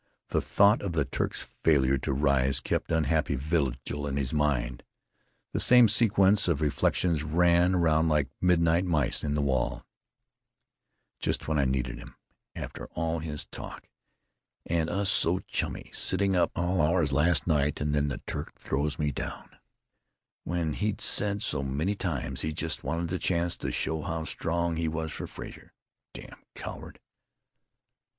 The thought of the Turk's failure to rise kept unhappy vigil in his mind. The same sequence of reflections ran around like midnight mice in the wall: "Just when I needed him.... After all his talk.... And us so chummy, sitting up all hours last night. And then the Turk throws me down.... When he'd said so many times he just wanted the chance to show how strong he was for Frazer.... Damn coward!